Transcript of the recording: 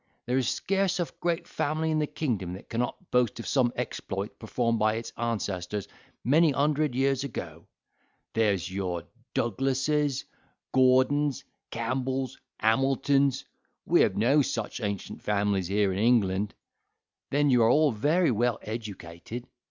There is scarce a great family in the kingdom that cannot boast of some exploits performed by its ancestors many hundred years ago. There's your Douglasses, Gordons, Campbells, Hamiltons. We have no such ancient families here in England. Then you are all very well educated.